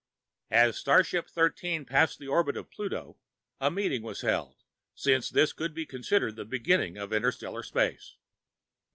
As starship Thirteen passed the orbit of Pluto, a meeting was held, since this could be considered the beginning of interstellar space.